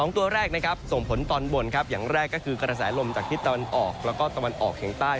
ตัวแรกนะครับส่งผลตอนบนครับอย่างแรกก็คือกระแสลมจากทิศตะวันออกแล้วก็ตะวันออกเฉียงใต้